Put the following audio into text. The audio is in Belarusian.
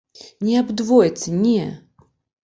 Не аб двойцы, не!